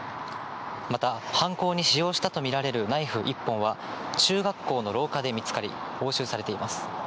また犯行に使用したと見られるナイフ１本は、中学校の廊下で見つかり、押収されています。